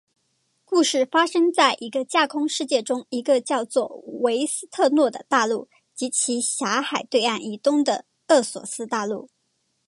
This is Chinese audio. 故事发生在一个架空世界中一个叫做维斯特洛的大陆及其狭海对岸以东的厄索斯大陆。